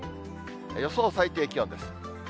予想最低気温です。